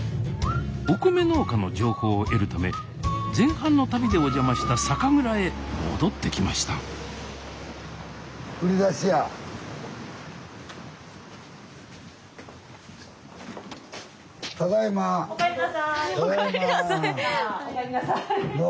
お米農家の情報を得るため前半の旅でお邪魔した酒蔵へ戻ってきましたどうも。